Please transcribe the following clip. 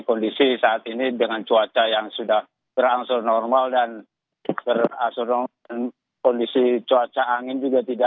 kondisi saat ini dengan cuaca yang sudah berangsur normal dan berangsur dengan kondisi cuaca angin juga tidak